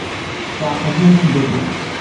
Teɛqel yiwen n umeddakel.